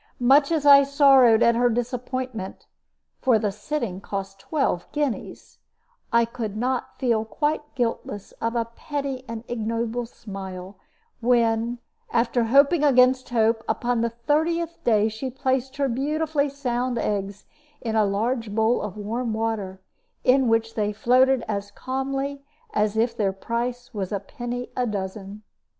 Much as I sorrowed at her disappointment for the sitting cost twelve guineas I could not feel quite guiltless of a petty and ignoble smile, when, after hoping against hope, upon the thirtieth day she placed her beautifully sound eggs in a large bowl of warm water, in which they floated as calmly as if their price was a penny a dozen.